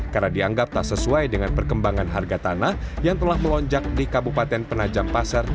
karena dianggap tak sesuai dengan perkembangan harga tanah yang telah melonjak di kabupaten penajam pasar